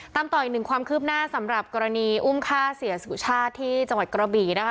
ต่ออีกหนึ่งความคืบหน้าสำหรับกรณีอุ้มฆ่าเสียสุชาติที่จังหวัดกระบี่นะคะ